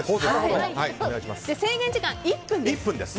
制限時間は１分です。